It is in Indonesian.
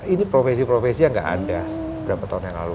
ini profesi profesi yang nggak ada berapa tahun yang lalu